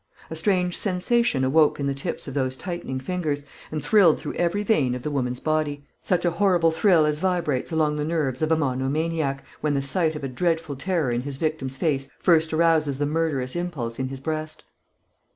A strange sensation awoke in the tips of those tightening fingers, and thrilled through every vein of the woman's body, such a horrible thrill as vibrates along the nerves of a monomaniac, when the sight of a dreadful terror in his victim's face first arouses the murderous impulse in his breast.